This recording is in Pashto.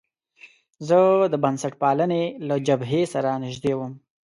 زه د بنسټپالنې له جبهې سره نژدې وم.